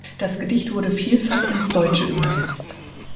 Das Gedicht wurde vielfach ins Deutsche übersetzt.